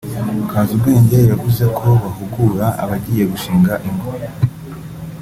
Kazubwenge yavuze ko bahugura abagiye gushinga ingo